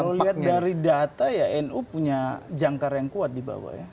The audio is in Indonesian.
kalau lihat dari data ya nu punya jangkar yang kuat di bawah ya